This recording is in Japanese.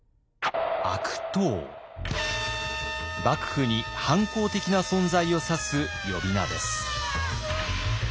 幕府に反抗的な存在を指す呼び名です。